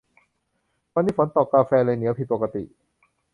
วันนี้ฝนตก กาแฟเลยเหนียวผิดปกติ